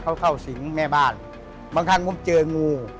เขาเข้าสิงห์แม่บ้าน